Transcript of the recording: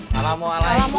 kamu bisa menyantang baik ke